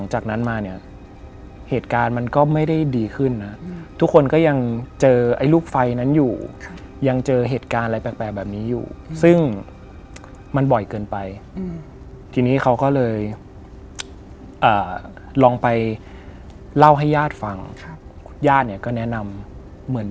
หน้าตาดูดีขึ้นในช่วงกลางคืน